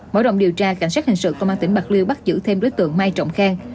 mỗi đồng điều tra cảnh sát hình sự công an tỉnh bạc liêu bắt giữ thêm đối tượng mai trọng khanh